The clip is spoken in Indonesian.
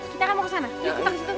kita nggak mau ke sana yuk kita ke situ